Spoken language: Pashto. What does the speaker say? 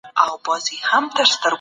روښانه فکر درد نه زیاتوي.